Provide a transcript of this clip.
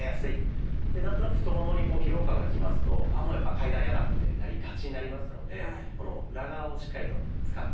何となく太ももに疲労感がきますと「ああもうやっぱ階段嫌だ」ってなりがちになりますのでこの裏側をしっかりと使っていく。